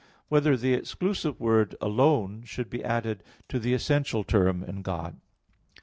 3] Whether the Exclusive Word "Alone" Should Be Added to the Essential Term in God?